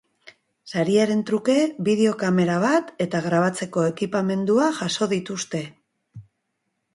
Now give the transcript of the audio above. Sariaren truke, bideo-kamera bat eta grabatzeko ekipamendua jaso dituzte.